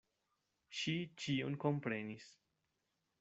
Ŝi ĉion komprenis.